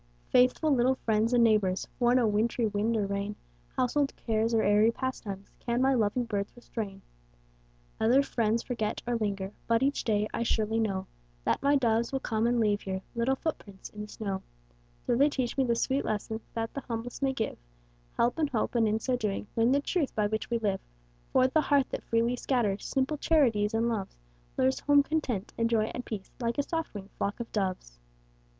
Faithful little friends and neighbors, For no wintry wind or rain, Household cares or airy pastimes, Can my loving birds restrain. Other friends forget, or linger, But each day I surely know That my doves will come and leave here Little footprints in the snow. So, they teach me the sweet lesson, That the humblest may give Help and hope, and in so doing, Learn the truth by which we live; For the heart that freely scatters Simple charities and loves, Lures home content, and joy, and peace, Like a soft winged flock of doves.